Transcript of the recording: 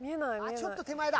ちょっと手前だ。